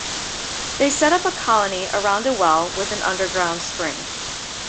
They set up a colony around a well with an underground spring.